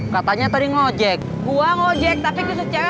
katanya tadi ngajek gua ngajek tapi